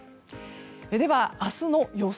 では、明日の予想